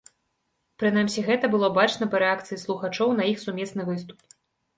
Прынамсі, гэта было бачна па рэакцыі слухачоў на іх сумесны выступ.